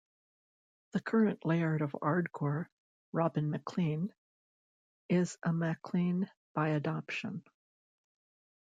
The current Laird of Ardgour, Robin Maclean, is a MacLean by adoption.